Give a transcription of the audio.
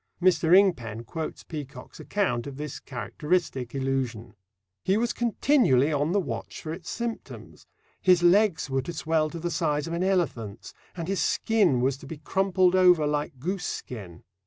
Mr. Ingpen quotes Peacock's account of this characteristic illusion: He was continually on the watch for its symptoms; his legs were to swell to the size of an elephant's, and his skin was to be crumpled over like goose skin.